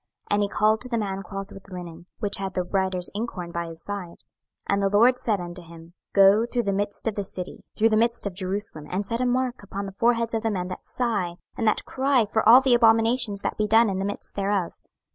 And he called to the man clothed with linen, which had the writer's inkhorn by his side; 26:009:004 And the LORD said unto him, Go through the midst of the city, through the midst of Jerusalem, and set a mark upon the foreheads of the men that sigh and that cry for all the abominations that be done in the midst thereof.